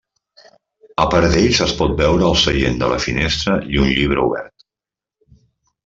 A part d'ells es pot veure al seient de la finestra i un llibre obert.